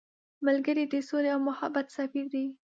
ملګری د سولې او محبت سفیر دی